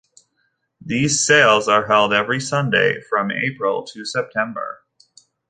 These sales are held every second Sunday from April to September.